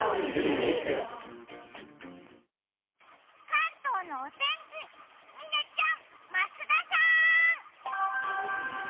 関東のお天気、嶺ちゃん、増田さん。